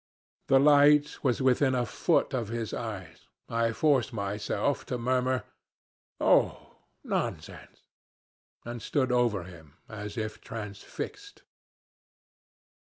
The light was within a foot of his eyes. I forced myself to murmur, 'Oh, nonsense!' and stood over him as if transfixed.